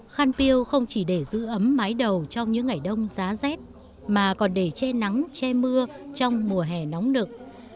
khăn piêu không chỉ để giữ ấm mái đầu trong những ngày đông giá rét mà còn để che nắng che mưa trong mùa hè nóng đực